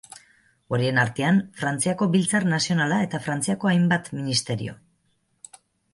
Horien artean, Frantziako Biltzar Nazionala eta Frantziako hainbat ministerio.